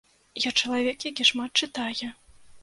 Я чалавек, які шмат чытае.